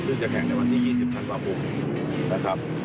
ซึ่งจะแข่งในวันที่๒๐พันธุ์ประปุ่งนะครับ